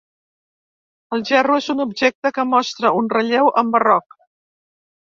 El gerro és un objecte que mostra un relleu en barroc.